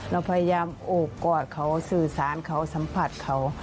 เราพยายามโอบกอดเขาสื่อสารเขาสัมผัสเขา